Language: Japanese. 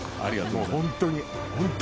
もうホントに。